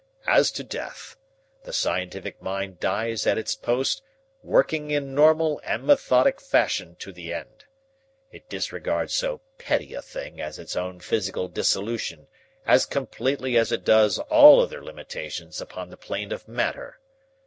As to death, the scientific mind dies at its post working in normal and methodic fashion to the end. It disregards so petty a thing as its own physical dissolution as completely as it does all other limitations upon the plane of matter.